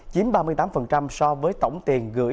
chiếm ba mươi tám so với tổng tiền gửi